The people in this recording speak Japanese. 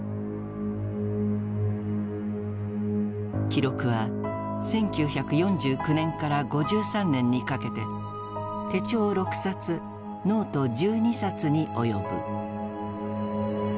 記録は１９４９年から５３年にかけて手帳６冊ノート１２冊に及ぶ。